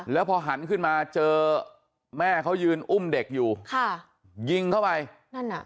แล้วพอหันขึ้นมาเจอแม่เขายืนอุ้มเด็กอยู่ค่ะยิงเข้าไปนั่นอ่ะ